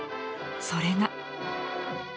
それが。